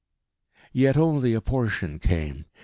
Yet only a portion came.